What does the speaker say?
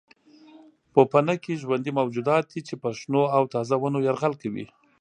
پوپنکي ژوندي موجودات دي چې پر شنو او تازه ونو یرغل کوي.